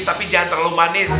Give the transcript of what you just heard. tapi jangan terlalu manis